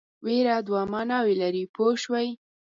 وېره دوه معناوې لري پوه شوې!.